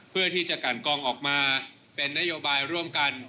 เพื่อที่จะกันกองออกมาเป็นนโยบายร่วมกัน